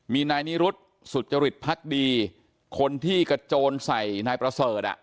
มีนายนิรุธสุจริตพักดีคนที่กระโจนใส่นายประเสริฐอ่ะ